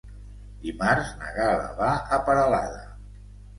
Dimarts na Gal·la va a Peralada.